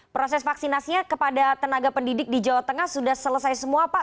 proses vaksinasinya kepada tenaga pendidik di jawa tengah sudah selesai semua pak